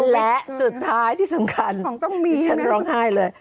และสุดท้ายที่สำคัญฉันร้องไห้เลย